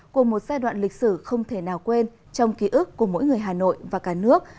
của một giai đoạn lịch sử không thể nào quên trong ký ức của mỗi người hà nội và cả nước